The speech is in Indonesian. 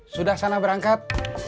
sudah sana berangkat